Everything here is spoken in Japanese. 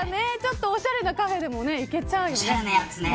おしゃれなカフェでも行けちゃうよね。